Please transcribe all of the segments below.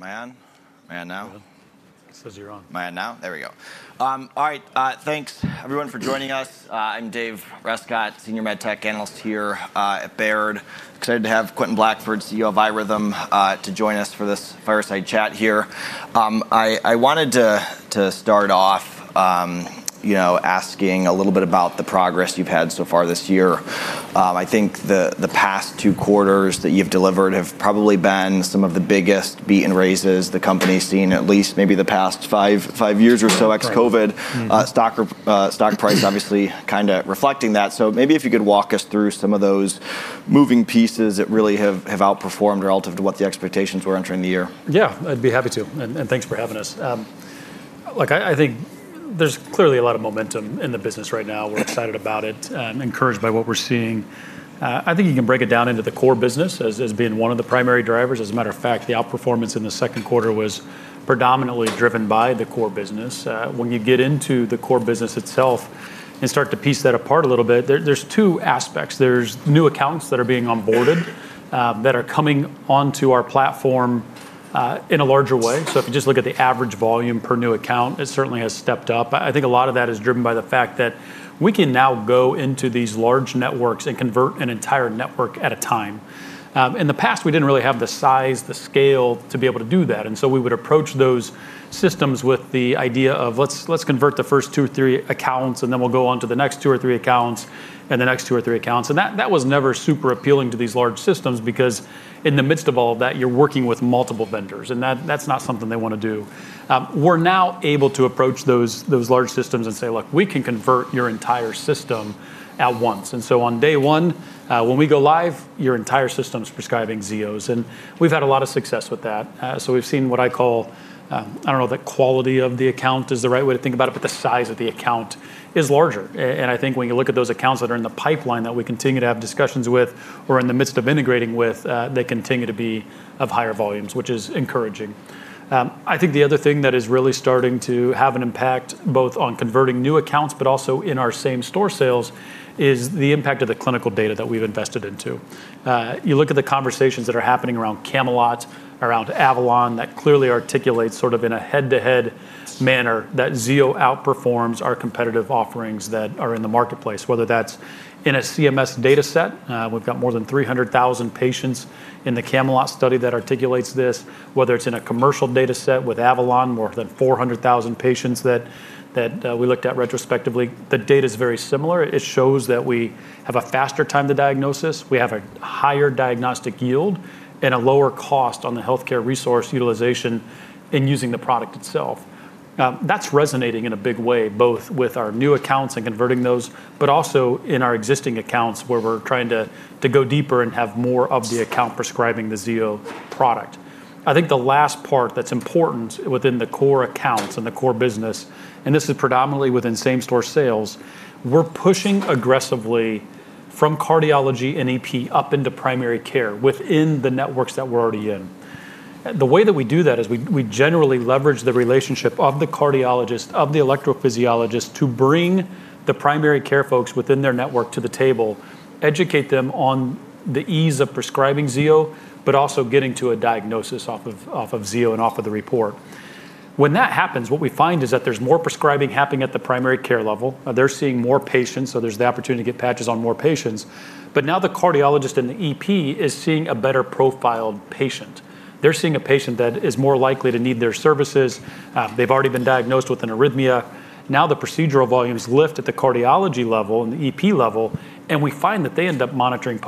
Come on. Come on. He says you're on. Come on now. There we go. All right. Thanks, everyone, for joining us. I'm David Rescott, Senior Med Tech Analyst here at Baird. Excited to have Quentin Blackford, CEO of iRhythm, to join us for this fireside chat here. I wanted to start off asking a little bit about the progress you've had so far this year. I think the past two quarters that you've delivered have probably been some of the biggest beat-and-raise quarters the company's seen, at least maybe the past five years or so ex-COVID. Stock price obviously kind of reflecting that. If you could walk us through some of those moving pieces that really have outperformed relative to what the expectations were entering the year. Yeah, I'd be happy to. Thanks for having us. I think there's clearly a lot of momentum in the business right now. We're excited about it, encouraged by what we're seeing. I think you can break it down into the core business as being one of the primary drivers. As a matter of fact, the outperformance in the second quarter was predominantly driven by the core business. When you get into the core business itself and start to piece that apart a little bit, there's two aspects. There's new accounts that are being onboarded that are coming onto our platform in a larger way. If you just look at the average volume per new account, it certainly has stepped up. I think a lot of that is driven by the fact that we can now go into these large networks and convert an entire network at a time. In the past, we didn't really have the size, the scale to be able to do that. We would approach those systems with the idea of, let's convert the first two or three accounts, then we'll go on to the next two or three accounts and the next two or three accounts. That was never super appealing to these large systems because in the midst of all of that, you're working with multiple vendors, and that's not something they want to do. We're now able to approach those large systems and say, look, we can convert your entire system at once. On day one, when we go live, your entire system is prescribing Zio. We've had a lot of success with that. We've seen what I call, I don't know if the quality of the account is the right way to think about it, but the size of the account is larger. I think when you look at those accounts that are in the pipeline that we continue to have discussions with or in the midst of integrating with, they continue to be of higher volumes, which is encouraging. I think the other thing that is really starting to have an impact both on converting new accounts, but also in our same store sales, is the impact of the clinical data that we've invested into. You look at the conversations that are happening around CAMELOT, around AVALON, that clearly articulate sort of in a head-to-head manner that Zio outperforms our competitive offerings that are in the marketplace, whether that's in a CMS data set. We've got more than 300,000 patients in the CAMELOT study that articulates this, whether it's in a commercial data set with AVALON, more than 400,000 patients that we looked at retrospectively. The data is very similar. It shows that we have a faster time to diagnosis, we have a higher diagnostic yield, and a lower cost on the healthcare resource utilization in using the product itself. That's resonating in a big way, both with our new accounts and converting those, but also in our existing accounts where we're trying to go deeper and have more of the account prescribing the Zio product. I think the last part that's important within the core accounts and the core business, and this is predominantly within same store sales, we're pushing aggressively from cardiology and EP up into primary care within the networks that we're already in. The way that we do that is we generally leverage the relationship of the cardiologist, of the electrophysiologist to bring the primary care folks within their network to the table, educate them on the ease of prescribing Zio, but also getting to a diagnosis off of Zio and off of the report. When that happens, what we find is that there's more prescribing happening at the primary care level. They're seeing more patients, so there's the opportunity to get patches on more patients. Now the cardiologist and the EP is seeing a better profiled patient. They're seeing a patient that is more likely to need their services. They've already been diagnosed with an arrhythmia. Now the procedural volumes lift at the cardiology level and the EP level, and we find that they end up monitoring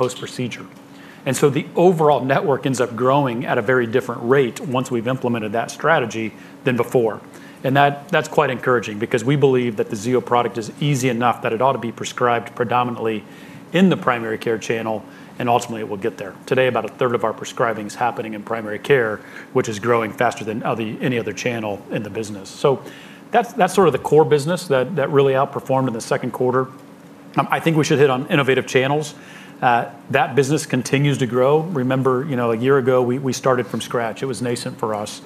post-procedure. The overall network ends up growing at a very different rate once we've implemented that strategy than before. That's quite encouraging because we believe that the Zio product is easy enough that it ought to be prescribed predominantly in the primary care channel, and ultimately it will get there. Today, about 1/3 of our prescribing is happening in primary care, which is growing faster than any other channel in the business. That's sort of the core business that really outperformed in the second quarter. I think we should hit on innovative channels. That business continues to grow. Remember, a year ago, we started from scratch. It was nascent for us.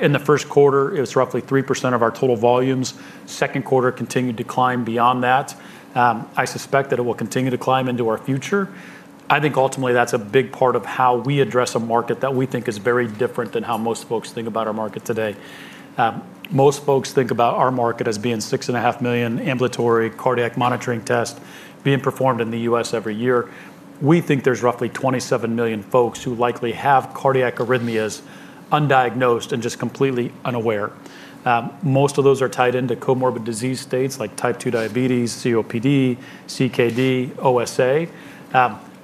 In the first quarter, it was roughly 3% of our total volumes. Second quarter continued to climb beyond that. I suspect that it will continue to climb into our future. I think ultimately that's a big part of how we address a market that we think is very different than how most folks think about our market today. Most folks think about our market as being $6.5 million ambulatory cardiac monitoring tests being performed in the U.S. every year. We think there's roughly 27 million folks who likely have cardiac arrhythmias undiagnosed and just completely unaware. Most of those are tied into comorbid disease states like Type 2 diabetes, COPD, CKD, OSA.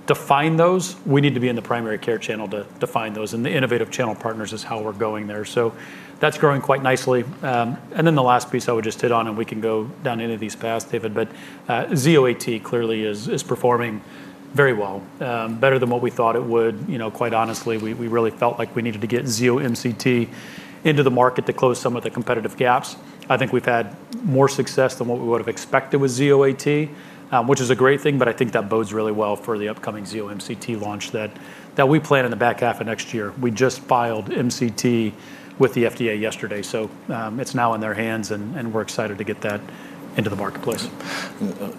To find those, we need to be in the primary care channel to find those, and the innovative channel partners is how we're going there. That's growing quite nicely. The last piece I would just hit on, and we can go down any of these paths, David, but Zio AT clearly is performing very well, better than what we thought it would. Quite honestly, we really felt like we needed to get Zio MCT into the market to close some of the competitive gaps. I think we've had more success than what we would have expected with Zio AT, which is a great thing. I think that bodes really well for the upcoming Zio MCT launch that we plan in the back half of next year. We just filed MCT with the FDA yesterday, so it's now in their hands, and we're excited to get that into the marketplace.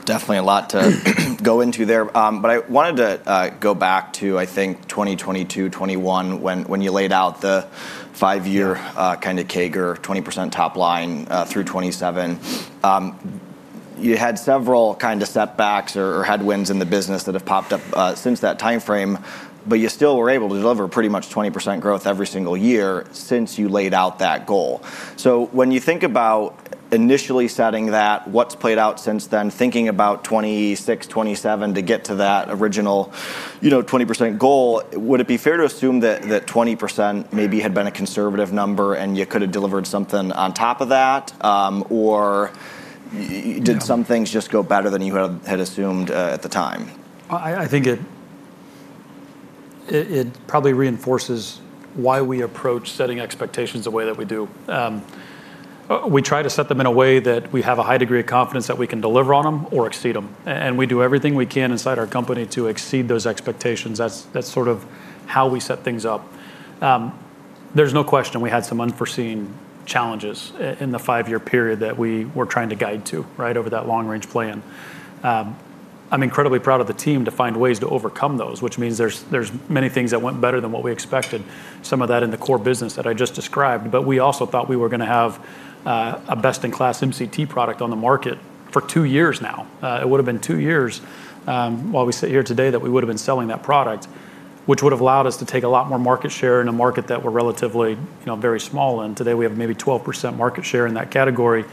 Definitely a lot to go into there. I wanted to go back to, I think, 2022, 2021, when you laid out the five-year kind of CAGR, 20% top line through 2027. You had several kind of setbacks or headwinds in the business that have popped up since that time frame, but you still were able to deliver pretty much 20% growth every single year since you laid out that goal. When you think about initially setting that, what's played out since then, thinking about 2026, 2027 to get to that original 20% goal, would it be fair to assume that 20% maybe had been a conservative number and you could have delivered something on top of that? Or did some things just go better than you had assumed at the time? I think it probably reinforces why we approach setting expectations the way that we do. We try to set them in a way that we have a high degree of confidence that we can deliver on them or exceed them. We do everything we can inside our company to exceed those expectations. That's sort of how we set things up. There's no question we had some unforeseen challenges in the five-year period that we were trying to guide to, right, over that long-range plan. I'm incredibly proud of the team to find ways to overcome those, which means there's many things that went better than what we expected. Some of that in the core business that I just described, but we also thought we were going to have a best-in-class MCT product on the market for two years now. It would have been two years while we sit here today that we would have been selling that product, which would have allowed us to take a lot more market share in a market that we're relatively very small in. Today, we have maybe 12% market share in that category.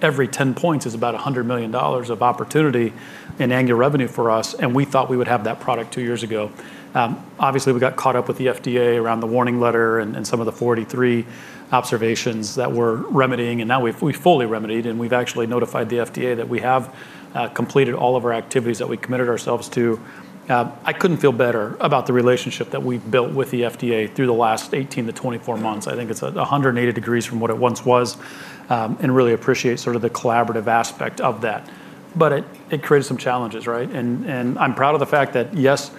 Every 10 points is about $100 million of opportunity in annual revenue for us. We thought we would have that product two years ago. Obviously, we got caught up with the FDA around the warning letter and some of the 43 observations that we're remedying. Now we've fully remedied, and we've actually notified the FDA that we have completed all of our activities that we committed ourselves to. I couldn't feel better about the relationship that we've built with the FDA through the last 18 months-24 months. I think it's 180° from what it once was and really appreciate sort of the collaborative aspect of that. It created some challenges, right? I'm proud of the fact that, yes,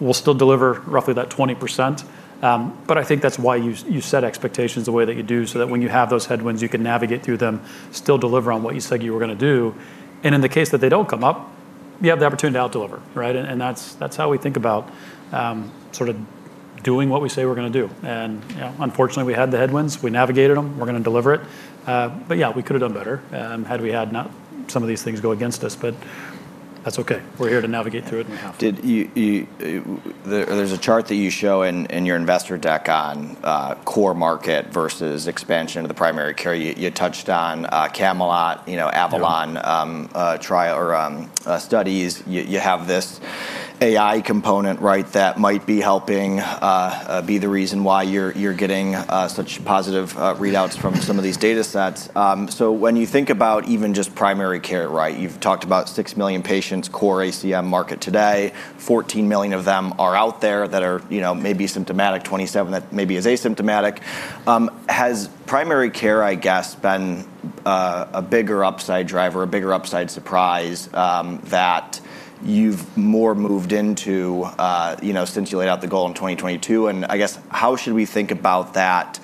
we'll still deliver roughly that 20%. I think that's why you set expectations the way that you do, so that when you have those headwinds, you can navigate through them, still deliver on what you said you were going to do. In the case that they don't come up, you have the opportunity to out deliver, right? That's how we think about sort of doing what we say we're going to do. Unfortunately, we had the headwinds. We navigated them. We're going to deliver it. Yeah, we could have done better had we had not some of these things go against us. That's OK. We're here to navigate through it and we have to. There's a chart that you show in your investor deck on core market versus expansion to the primary care. You touched on CAMELOT, AVALON trial or studies. You have this AI component, right, that might be helping be the reason why you're getting such positive readouts from some of these data sets. When you think about even just primary care, right, you've talked about 6 million patients core ambulatory cardiac monitoring market today. 14 million of them are out there that are maybe symptomatic, 27 million that maybe is asymptomatic. Has primary care, I guess, been a bigger upside driver, a bigger upside surprise that you've more moved into since you laid out the goal in 2022? How should we think about that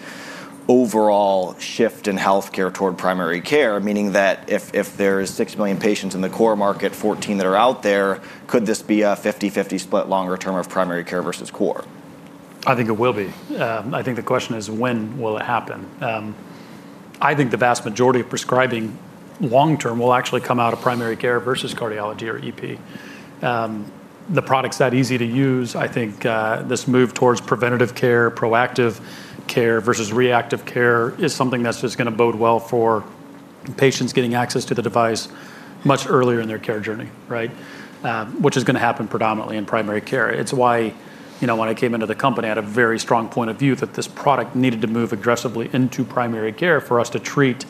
overall shift in health care toward primary care, meaning that if there's 6 million patients in the core market, 14 million that are out there, could this be a 50/50 split longer term of primary care versus core? I think it will be. I think the question is, when will it happen? I think the vast majority of prescribing long term will actually come out of primary care versus cardiology or EP. The product's that easy to use. I think this move towards preventative care, proactive care versus reactive care is something that's just going to bode well for patients getting access to the device much earlier in their care journey, which is going to happen predominantly in primary care. It's why when I came into the company, I had a very strong point of view that this product needed to move aggressively into primary care for us to treat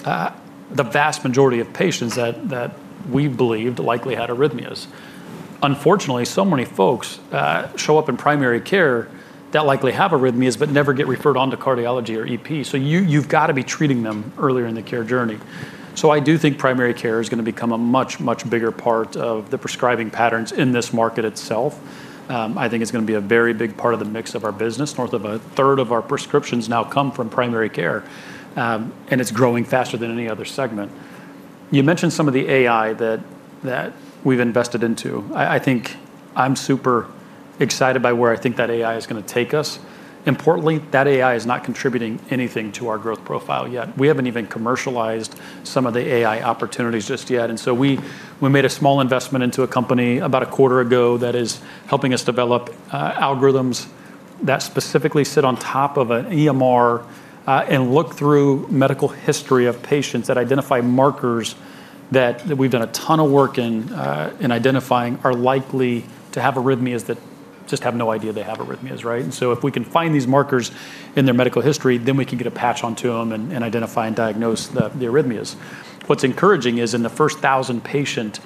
the vast majority of patients that we believed likely had arrhythmias. Unfortunately, so many folks show up in primary care that likely have arrhythmias but never get referred on to cardiology or EP. You've got to be treating them earlier in the care journey. I do think primary care is going to become a much, much bigger part of the prescribing patterns in this market itself. I think it's going to be a very big part of the mix of our business. North of 1/3 of our prescriptions now come from primary care, and it's growing faster than any other segment. You mentioned some of the AI that we've invested into. I think I'm super excited by where I think that AI is going to take us. Importantly, that AI is not contributing anything to our growth profile yet. We haven't even commercialized some of the AI opportunities just yet. We made a small investment into a company about a quarter ago that is helping us develop algorithms that specifically sit on top of an EMR and look through medical history of patients that identify markers that we've done a ton of work in identifying are likely to have arrhythmias that just have no idea they have arrhythmias. If we can find these markers in their medical history, then we can get a patch onto them and identify and diagnose the arrhythmias. What's encouraging is in the first 1,000 patient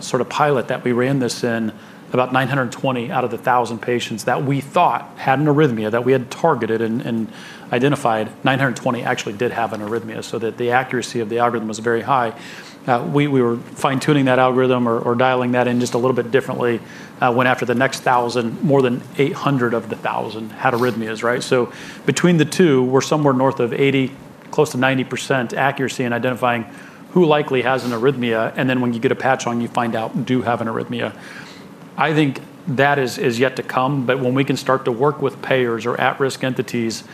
sort of pilot that we ran this in, about 920 out of the 1,000 patients that we thought had an arrhythmia that we had targeted and identified, 920 actually did have an arrhythmia. The accuracy of the algorithm was very high. We were fine-tuning that algorithm or dialing that in just a little bit differently when, after the next 1,000, more than 800 of the 1,000 had arrhythmias. Between the two, we're somewhere north of 80%, close to 90% accuracy in identifying who likely has an arrhythmia. When you get a patch on, you find out you do have an arrhythmia. I think that is yet to come. When we can start to work with payers or at-risk entities,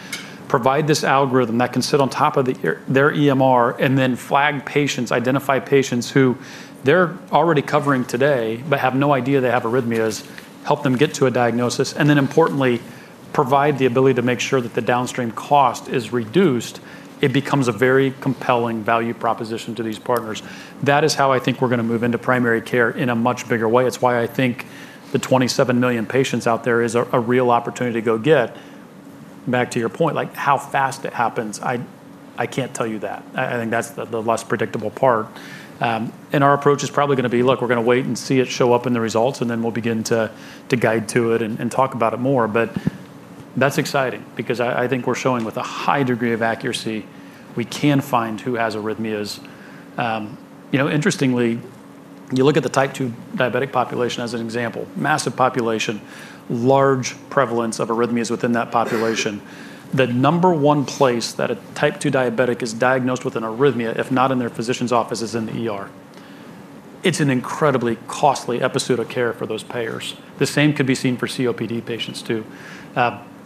provide this algorithm that can sit on top of their EMR and then flag patients, identify patients who they're already covering today but have no idea they have arrhythmias, help them get to a diagnosis, and then importantly, provide the ability to make sure that the downstream cost is reduced, it becomes a very compelling value proposition to these partners. That is how I think we're going to move into primary care in a much bigger way. It's why I think the 27 million patients out there is a real opportunity to go get. Back to your point, like how fast it happens, I can't tell you that. I think that's the less predictable part. Our approach is probably going to be, look, we're going to wait and see it show up in the results, and then we'll begin to guide to it and talk about it more. That's exciting because I think we're showing with a high degree of accuracy, we can find who has arrhythmias. Interestingly, you look at the Type 2 diabetic population as an example, massive population, large prevalence of arrhythmias within that population. The number one place that a Type 2 diabetic is diagnosed with an arrhythmia, if not in their physician's office, is in the emergency room. It's an incredibly costly episode of care for those payers. The same could be seen for COPD patients too.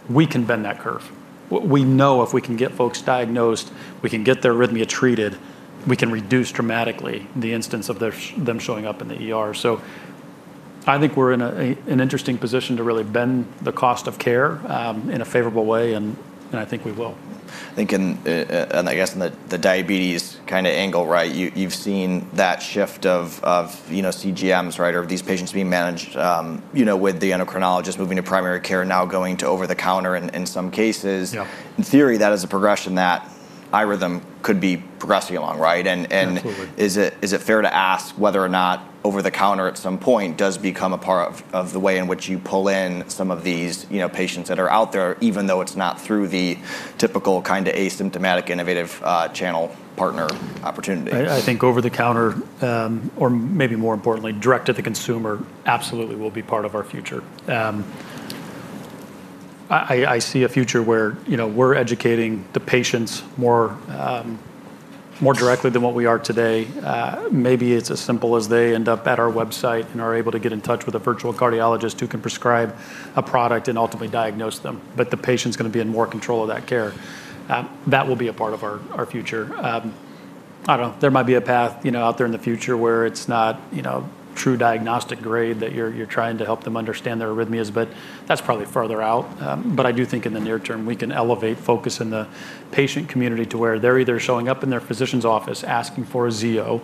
We can bend that curve. We know if we can get folks diagnosed, we can get their arrhythmia treated, we can reduce dramatically the instance of them showing up in the emergency room. I think we're in an interesting position to really bend the cost of care in a favorable way, and I think we will. I think, and I guess in the diabetes kind of angle, you've seen that shift of CGMs, or these patients being managed with the endocrinologist moving to primary care, now going to over-the-counter in some cases. In theory, that is a progression that iRhythm could be progressing along, right? Is it fair to ask whether or not over-the-counter at some point does become a part of the way in which you pull in some of these patients that are out there, even though it's not through the typical kind of asymptomatic innovative channel partner opportunity? I think over-the-counter, or maybe more importantly, direct-to-consumer absolutely will be part of our future. I see a future where we're educating the patients more directly than what we are today. Maybe it's as simple as they end up at our website and are able to get in touch with a virtual cardiologist who can prescribe a product and ultimately diagnose them. The patient's going to be in more control of that care. That will be a part of our future. I don't know. There might be a path out there in the future where it's not true diagnostic grade that you're trying to help them understand their arrhythmias, but that's probably further out. I do think in the near term, we can elevate focus in the patient community to where they're either showing up in their physician's office asking for a Zio,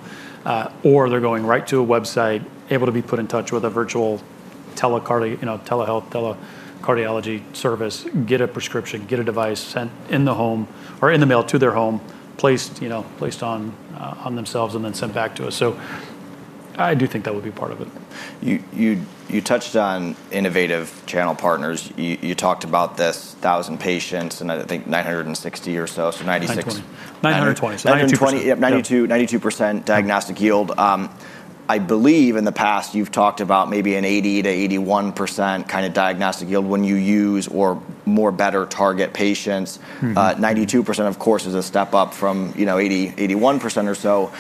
or they're going right to a website, able to be put in touch with a virtual telehealth, telecardiology service, get a prescription, get a device sent in the home or in the mail to their home, placed on themselves, and then sent back to us. I do think that would be part of it. You touched on innovative channel partners. You talked about this 1,000 patients, and I think 960 or so, so 96%. 920. 92% diagnostic yield. I believe in the past, you've talked about maybe an 80%-81% kind of diagnostic yield when you use or more better target patients. 92%, of course, is a step up from 81% or so.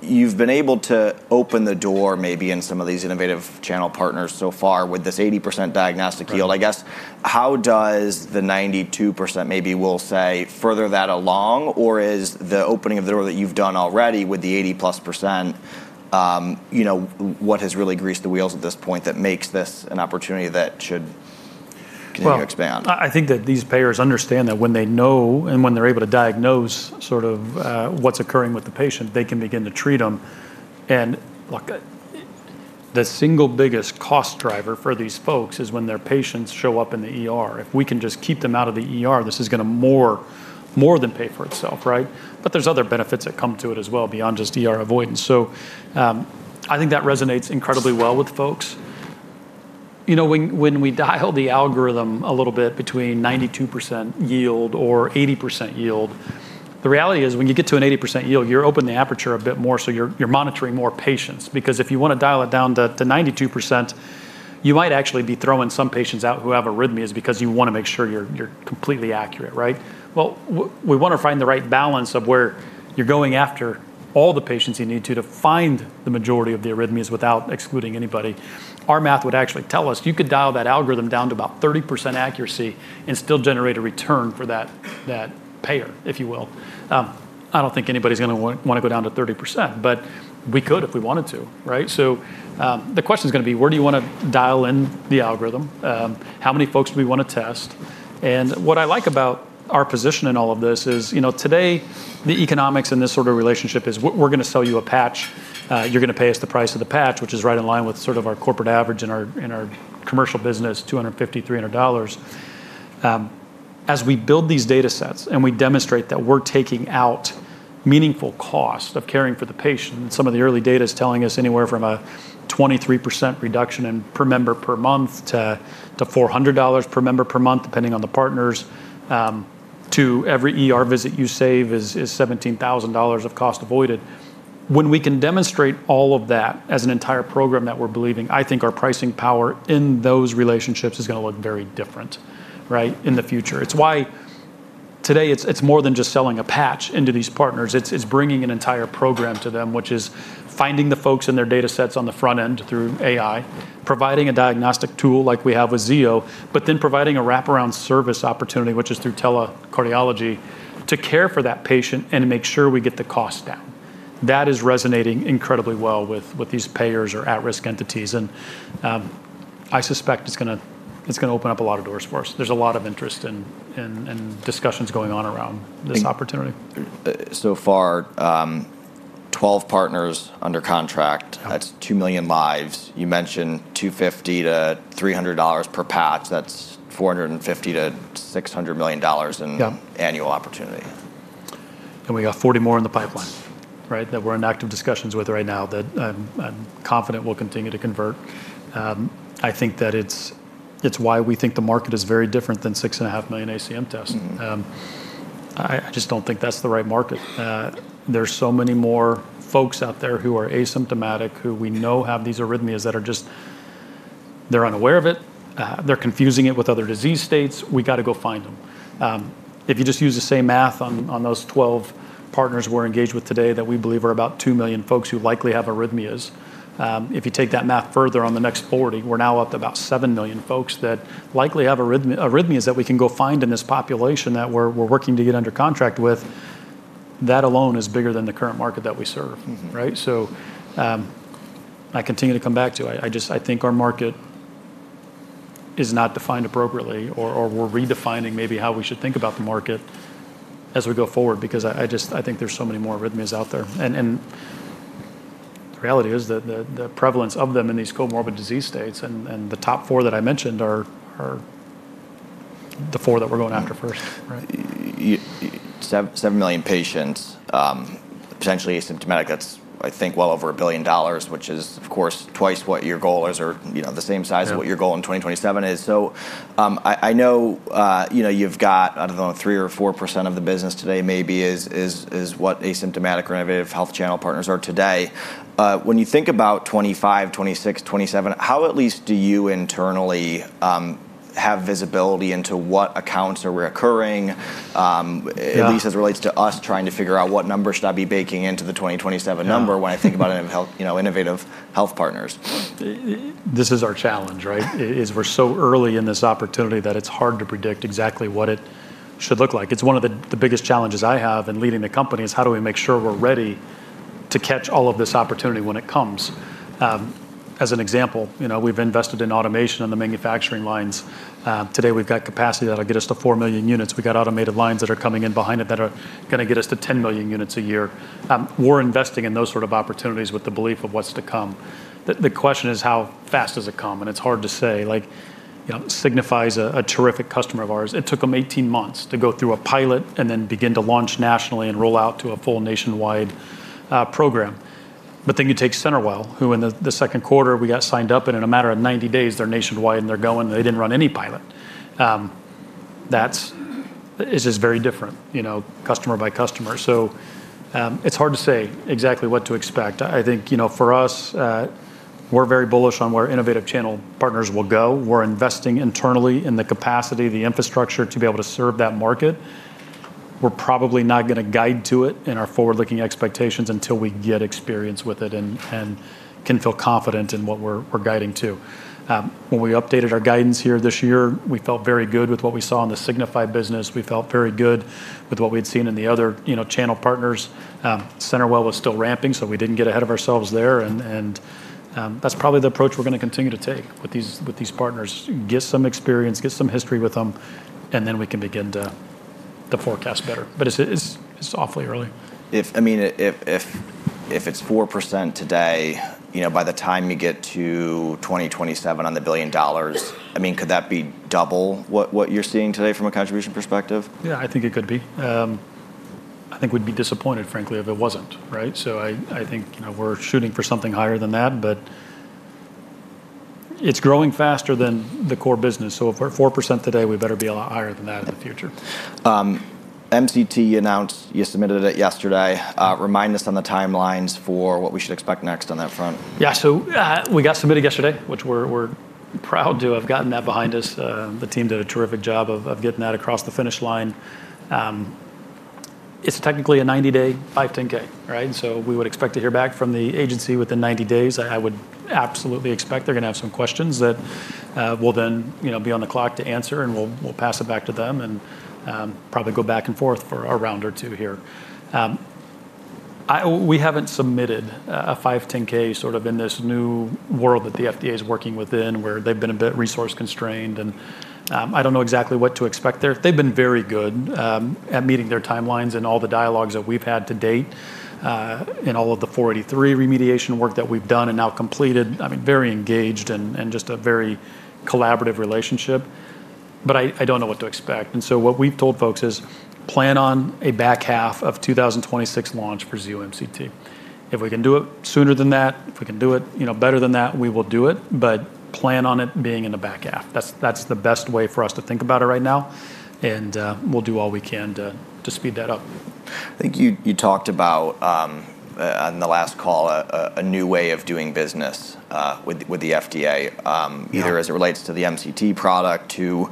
You've been able to open the door maybe in some of these innovative channel partners so far with this 80% diagnostic yield. I guess how does the 92% maybe we'll say further that along, or is the opening of the door that you've done already with the 80+% what has really greased the wheels at this point that makes this an opportunity that should continue to expand? I think that these payers understand that when they know and when they're able to diagnose sort of what's occurring with the patient, they can begin to treat them. The single biggest cost driver for these folks is when their patients show up in the emergency room. If we can just keep them out of the emergency room, this is going to more than pay for itself, right? There are other benefits that come to it as well beyond just avoidance. I think that resonates incredibly well with folks. You know, when we dial the algorithm a little bit between 92% yield or 80% yield, the reality is when you get to an 80% yield, you're opening the aperture a bit more. You're monitoring more patients because if you want to dial it down to 92%, you might actually be throwing some patients out who have arrhythmias because you want to make sure you're completely accurate, right? We want to find the right balance of where you're going after all the patients you need to find the majority of the arrhythmias without excluding anybody. Our math would actually tell us you could dial that algorithm down to about 30% accuracy and still generate a return for that payer, if you will. I don't think anybody's going to want to go down to 30%, but we could if we wanted to, right? The question is going to be, where do you want to dial in the algorithm? How many folks do we want to test? What I like about our position in all of this is, you know, today the economics in this sort of relationship is we're going to sell you a patch. You're going to pay us the price of the patch, which is right in line with sort of our corporate average in our commercial business, $250, $300. As we build these data sets and we demonstrate that we're taking out meaningful cost of caring for the patient, and some of the early data is telling us anywhere from a 23% reduction in per member per month to $400 per member per month, depending on the partners, to every visit you save is $17,000 of cost avoided. When we can demonstrate all of that as an entire program that we're believing, I think our pricing power in those relationships is going to look very different, right, in the future. It's why today it's more than just selling a patch into these partners. It's bringing an entire program to them, which is finding the folks in their data sets on the front end through AI, providing a diagnostic tool like we have with Zio, then providing a wraparound service opportunity, which is through telecardiology, to care for that patient and make sure we get the cost down. That is resonating incredibly well with these payers or at-risk entities. I suspect it's going to open up a lot of doors for us. There's a lot of interest and discussions going on around this opportunity. There are 12 partners under contract. That's 2 million lives. You mentioned $250-$300 per patch, which is $450 million-$600 million in annual opportunity. We got 40 more in the pipeline, right, that we're in active discussions with right now that I'm confident will continue to convert. I think that it's why we think the market is very different than $6.5 million ACM tests. I just don't think that's the right market. There are so many more folks out there who are asymptomatic, who we know have these arrhythmias that are just, they're unaware of it. They're confusing it with other disease states. We got to go find them. If you just use the same math on those 12 partners we're engaged with today that we believe are about 2 million folks who likely have arrhythmias, if you take that math further on the next 40, we're now up to about 7 million folks that likely have arrhythmias that we can go find in this population that we're working to get under contract with. That alone is bigger than the current market that we serve, right? I continue to come back to, I just, I think our market is not defined appropriately, or we're redefining maybe how we should think about the market as we go forward because I just, I think there are so many more arrhythmias out there. The reality is that the prevalence of them in these comorbid disease states and the top four that I mentioned are the four that we're going after first. 7 million patients, potentially asymptomatic. That's, I think, well over $1 billion, which is, of course, twice what your goal is or the same size of what your goal in 2027 is. I know you've got, I don't know, 3% or 4% of the business today maybe is what asymptomatic or innovative health channel partners are today. When you think about 2025, 2026, 2027, how at least do you internally have visibility into what accounts are reoccurring, at least as it relates to us trying to figure out what number should I be baking into the 2027 number when I think about innovative health partners? This is our challenge, right? We're so early in this opportunity that it's hard to predict exactly what it should look like. It's one of the biggest challenges I have in leading the company: how do we make sure we're ready to catch all of this opportunity when it comes? As an example, we've invested in automation in the manufacturing lines. Today, we've got capacity that will get us to 4 million units. We've got automated lines that are coming in behind it that are going to get us to 10 million units a year. We're investing in those sort of opportunities with the belief of what's to come. The question is, how fast does it come? It's hard to say. Signify is a terrific customer of ours. It took them 18 months to go through a pilot and then begin to launch nationally and roll out to a full nationwide program. You take CenterWell, who in the second quarter we got signed up, and in a matter of 90 days, they're nationwide and they're going. They didn't run any pilot. That's just very different, customer by customer. It's hard to say exactly what to expect. I think for us, we're very bullish on where innovative channel partners will go. We're investing internally in the capacity, the infrastructure to be able to serve that market. We're probably not going to guide to it in our forward-looking expectations until we get experience with it and can feel confident in what we're guiding to. When we updated our guidance here this year, we felt very good with what we saw in the Signify business. We felt very good with what we had seen in the other channel partners. CenterWell was still ramping, so we didn't get ahead of ourselves there. That's probably the approach we're going to continue to take with these partners. Get some experience, get some history with them, and then we can begin to forecast better. It's awfully early. If it's 4% today, by the time you get to 2027 on the billion dollars, could that be double what you're seeing today from a contribution perspective? Yeah, I think it could be. I think we'd be disappointed, frankly, if it wasn't, right? I think we're shooting for something higher than that. It's growing faster than the core business. If we're at 4% today, we better be a lot higher than that in the future. MCT announced, you submitted it yesterday. Remind us on the timelines for what we should expect next on that front. Yeah, so we got submitted yesterday, which we're proud to have gotten that behind us. The team did a terrific job of getting that across the finish line. It's technically a 90-day 510 (k), right? We would expect to hear back from the agency within 90 days. I would absolutely expect they're going to have some questions that we'll then be on the clock to answer, and we'll pass it back to them and probably go back and forth for a round or two here. We haven't submitted a 510 (k) sort of in this new world that the FDA is working within where they've been a bit resource constrained. I don't know exactly what to expect there. They've been very good at meeting their timelines in all the dialogues that we've had to date, in all of the 483 remediation work that we've done and now completed. I mean, very engaged and just a very collaborative relationship. I don't know what to expect. What we've told folks is plan on a back half of 2026 launch for Zio MCT. If we can do it sooner than that, if we can do it better than that, we will do it. Plan on it being in the back half. That's the best way for us to think about it right now. We'll do all we can to speed that up. I think you talked about on the last call a new way of doing business with the FDA, either as it relates to the Zio MCT product to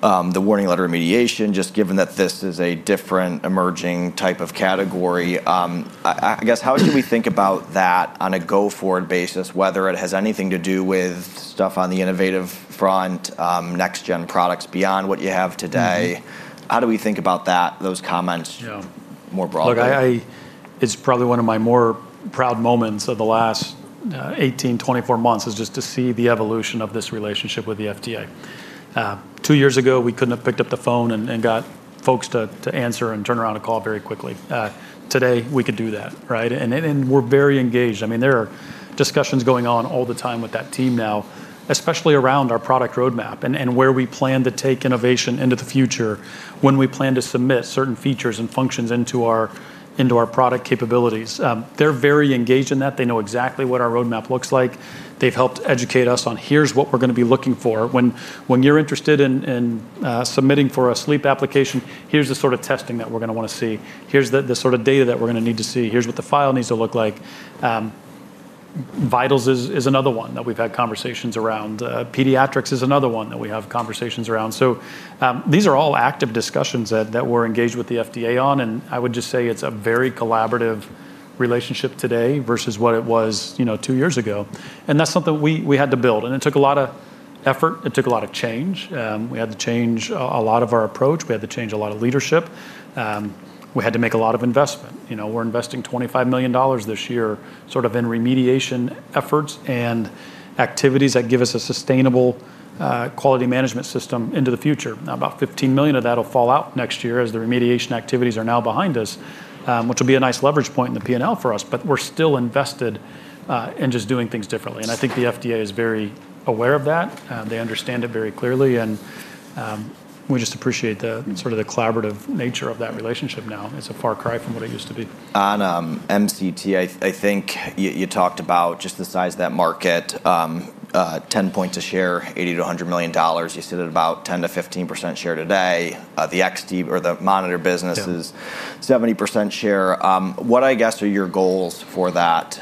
the warning letter remediation, just given that this is a different emerging type of category. I guess how do we think about that on a go-forward basis, whether it has anything to do with stuff on the innovative front, next-gen products beyond what you have today? How do we think about those comments more broadly? Look, it's probably one of my more proud moments of the last 18 months, 24 months is just to see the evolution of this relationship with the FDA. Two years ago, we couldn't have picked up the phone and got folks to answer and turn around a call very quickly. Today, we could do that, right? We're very engaged. There are discussions going on all the time with that team now, especially around our product roadmap and where we plan to take innovation into the future when we plan to submit certain features and functions into our product capabilities. They're very engaged in that. They know exactly what our roadmap looks like. They've helped educate us on here's what we're going to be looking for. When you're interested in submitting for a sleep application, here's the sort of testing that we're going to want to see. Here's the sort of data that we're going to need to see. Here's what the file needs to look like. Vitals is another one that we've had conversations around. Pediatrics is another one that we have conversations around. These are all active discussions that we're engaged with the FDA on. I would just say it's a very collaborative relationship today versus what it was two years ago. That's something we had to build. It took a lot of effort. It took a lot of change. We had to change a lot of our approach. We had to change a lot of leadership. We had to make a lot of investment. We're investing $25 million this year in remediation efforts and activities that give us a sustainable quality management system into the future. Now, about $15 million of that will fall out next year as the remediation activities are now behind us, which will be a nice leverage point in the P&L for us. We're still invested in just doing things differently. I think the FDA is very aware of that. They understand it very clearly. We just appreciate the collaborative nature of that relationship now. It's a far cry from what it used to be. On MCT, I think you talked about just the size of that market, 10 points a share, $80 million-$100 million. You said at about 10%-15% share today. The XT or the monitor business is 70% share. What I guess are your goals for that,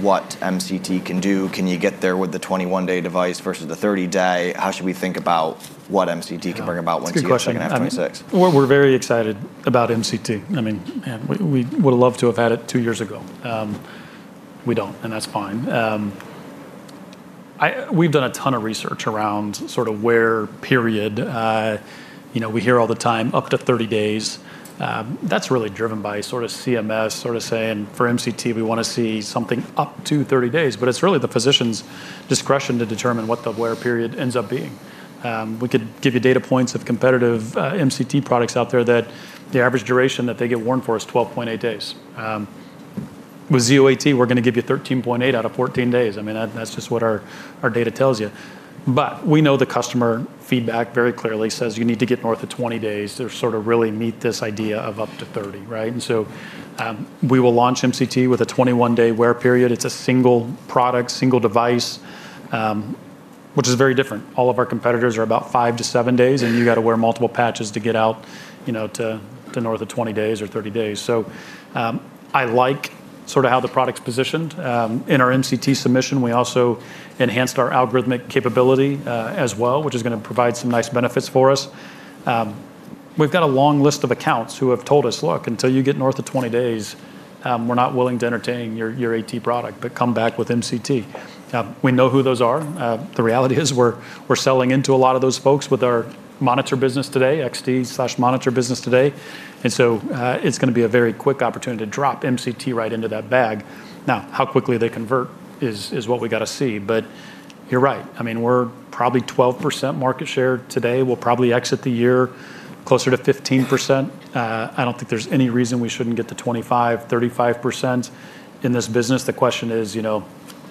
what MCT can do? Can you get there with the 21-day device versus the 30-day? How should we think about what MCT can bring about once you're in 2026? We're very excited about MCT. I mean, we would have loved to have had it two years ago. We don't, and that's fine. We've done a ton of research around sort of where period. We hear all the time up to 30 days. That's really driven by sort of CMS sort of saying for MCT, we want to see something up to 30 days. It's really the physician's discretion to determine what the wear period ends up being. We could give you data points of competitive MCT products out there that the average duration that they get worn for is 12.8 days. With Zio AT, we're going to give you 13.8 days out of 14 days. I mean, that's just what our data tells you. We know the customer feedback very clearly says you need to get north of 20 days to sort of really meet this idea of up to 30 days, right? We will launch MCT with a 21-day wear period. It's a single product, single device, which is very different. All of our competitors are about five to seven days, and you have to wear multiple patches to get out to north of 20 days or 30 days. I like sort of how the product's positioned. In our MCT submission, we also enhanced our algorithmic capability as well, which is going to provide some nice benefits for us. We've got a long list of accounts who have told us, look, until you get north of 20 days, we're not willing to entertain your AT product, but come back with MCT. We know who those are. The reality is we're selling into a lot of those folks with our monitor business today, XT/monitor business today. It's going to be a very quick opportunity to drop MCT right into that bag. How quickly they convert is what we have to see. You're right. We're probably 12% market share today. We'll probably exit the year closer to 15%. I don't think there's any reason we shouldn't get to 25%, 35% in this business. The question is, you know,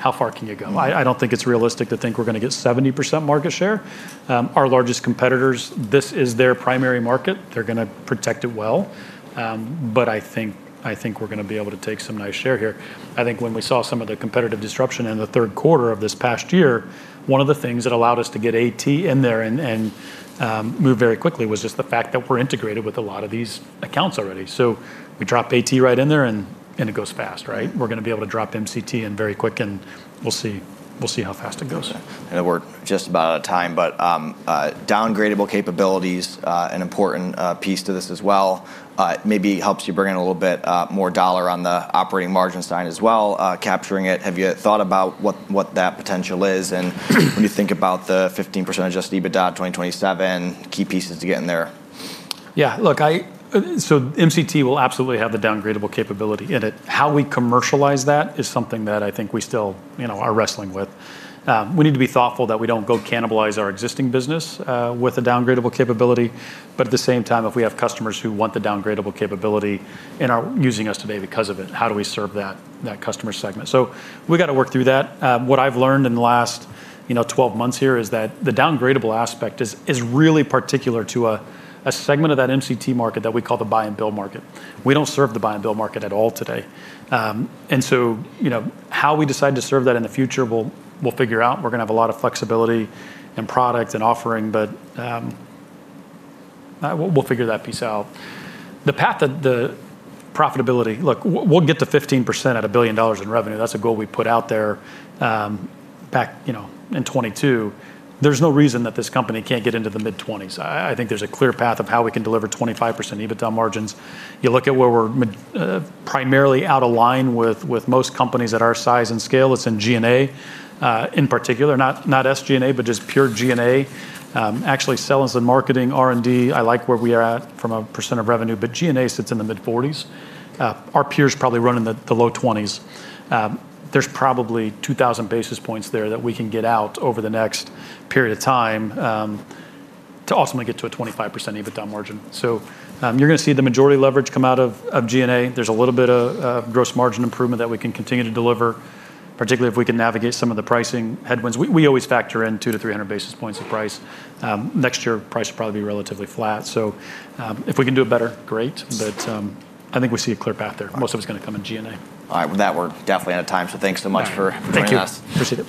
how far can you go? I don't think it's realistic to think we're going to get 70% market share. Our largest competitors, this is their primary market. They're going to protect it well. I think we're going to be able to take some nice share here. I think when we saw some of the competitive disruption in the third quarter of this past year, one of the things that allowed us to get AT in there and move very quickly was just the fact that we're integrated with a lot of these accounts already. We drop AT right in there, and it goes fast, right? We're going to be able to drop MCT in very quick, and we'll see how fast it goes. I know we're just about out of time, but downgradable capabilities, an important piece to this as well, maybe helps you bring in a little bit more dollar on the operating margin side as well, capturing it. Have you thought about what that potential is? When you think about the 15% adjusted EBITDA 2027, key pieces to get in there? Yeah, look, MCT will absolutely have a downgradable capability in it. How we commercialize that is something that I think we still are wrestling with. We need to be thoughtful that we don't go cannibalize our existing business with a downgradable capability. At the same time, if we have customers who want the downgradable capability and are using us today because of it, how do we serve that customer segment? We got to work through that. What I've learned in the last 12 months here is that the downgradable aspect is really particular to a segment of that MCT market that we call the buy and build market. We don't serve the buy and build market at all today. How we decide to serve that in the future, we'll figure out. We're going to have a lot of flexibility in product and offering, but we'll figure that piece out. The path to profitability, look, we'll get to 15% at $1 billion in revenue. That's a goal we put out there back in 2022. There's no reason that this company can't get into the mid-20s. I think there's a clear path of how we can deliver 25% EBITDA margins. You look at where we're primarily out of line with most companies at our size and scale. It's in G&A in particular, not SG&A, but just pure G&A. Actually, selling and marketing, R&D, I like where we are at from a percent of revenue, but G&A sits in the mid-40s. Our peers probably run in the low 20s. There's probably 2,000 basis points there that we can get out over the next period of time to ultimately get to a 25% EBITDA margin. You're going to see the majority leverage come out of G&A. There's a little bit of gross margin improvement that we can continue to deliver, particularly if we can navigate some of the pricing headwinds. We always factor in 200 basis points-300 basis points of price. Next year, price should probably be relatively flat. If we can do it better, great. I think we see a clear path there. Most of it's going to come in G&A. All right. With that, we're definitely out of time. Thanks so much for joining us. Appreciate it.